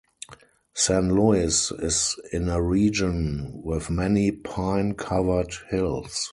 San Luis is in a region with many pine-covered hills.